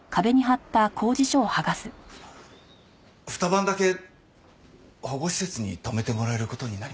二晩だけ保護施設に泊めてもらえる事になりました。